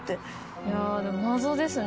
いやあでも謎ですね。